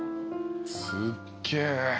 すっげえ。